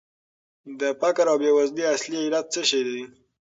د فقر او بېوزلۍ اصلي علت څه شی دی؟